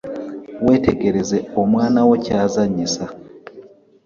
Weetegereze omwana wo kyazanyisa.